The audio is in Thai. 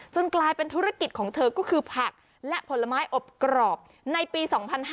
กลายเป็นธุรกิจของเธอก็คือผักและผลไม้อบกรอบในปี๒๕๕๙